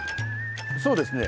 そうですね。